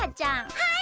はい！